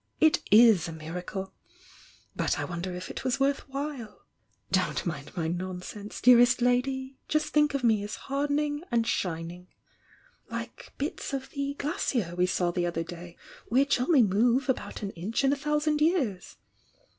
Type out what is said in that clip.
It is a miracle! But I wonder if it was worth while! Don't mind my nonsense, dearest lady! — just think of me as hardening and shining! — like bits of the glacier we saw the other day which move only about an inch in a thousand years